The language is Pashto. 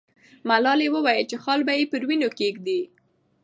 ملالۍ وویل چې خال به پر وینو کښېږدي.